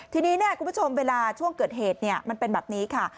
ทีนี้คุณผู้ชมเวลาช่วงเกิดเหตุมันเป็นแบบนี้ค่ะ